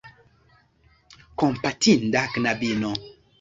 Kompatinda knabino!